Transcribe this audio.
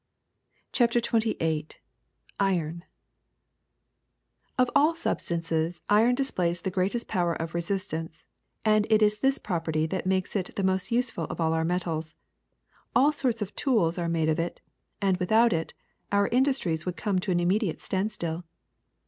CHAPTEE XXVIII IKON OF all substances iron displays the greatest power of resistance; and it is this property that makes it the most useful of all our metals. All sorts of tools are made of it, and without it our in dustries would come to an immediate standstill.''